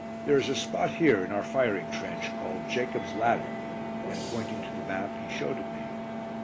There is a spot here in our firing trench called 'Jacob's Ladder,'" and pointing to the map, he showed it me.